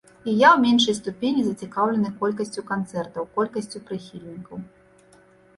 І я ў меншай ступені зацікаўлены колькасцю канцэртаў, колькасцю прыхільнікаў.